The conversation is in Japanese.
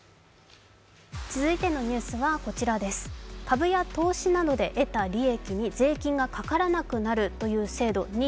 続いてのニュースはこちらです、株や投資などで得た利益に税金がかからなくなるという制度ＮＩＳＡ。